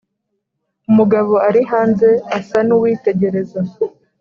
umugabo arihanze asa nuwitegereza